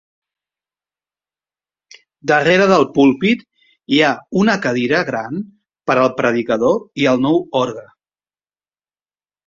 Darrere del púlpit hi ha una cadira gran per al predicador i el nou orgue.